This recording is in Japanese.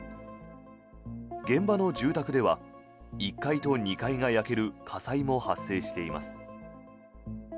現場の住宅では１階と２階が焼ける火災も発生しています。